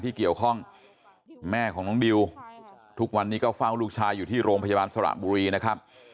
ที่เกี่ยวข้องแม่ของน้องดิวทุกวันนี้ก็เฝ้าลูกชายอยู่ที่โรงพยาบาลสระบุรีนะครับ